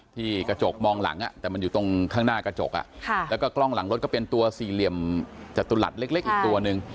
ที่กระจกมองหลังแต่มันอยู่ตรงข้างหน้ากระจกแล้วก็กล้องหลังรถก็เป็นตัวสี่เหลี่ยมจตุรัสเล็กอีกตัวหนึ่ง